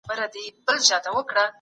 غورکى عبدالقادر ټبر ملا محمد عمر اخند